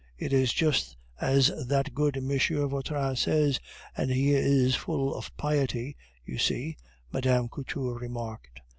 _ it is just as that good M. Vautrin says, and he is full of piety, you see," Mme. Couture remarked.